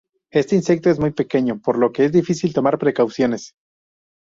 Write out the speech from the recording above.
Este insecto es muy pequeño, por lo que es difícil tomar precauciones.